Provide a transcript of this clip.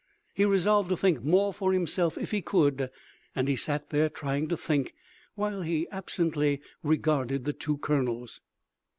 He resolved to think more for himself if he could, and he sat there trying to think, while he absently regarded the two colonels.